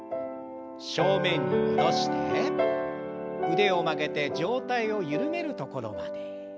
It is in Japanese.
腕を曲げて上体を緩めるところまで。